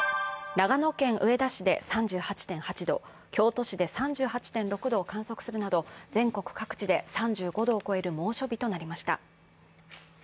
長野県上田市で３８．８度、京都市で３８．６度を観測するなど全国各地で３５度を超える猛暑日となりました。